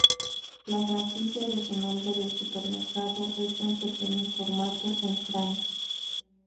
La franquicia de su nombre del supermercado es de un pequeño formato en Francia.